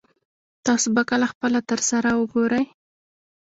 تاسو به کله خپل تره سره وګورئ